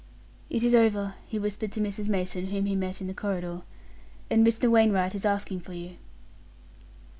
"It is over," he whispered to Mrs. Mason, whom he met in the corridor, "and Mr. Wainwright is asking for you."